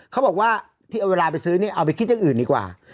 เขาบอกว่าที่เอาเวลาไปซื้อเนี่ยเอาไปคิดอย่างอื่นดีกว่า